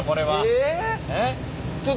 えっ？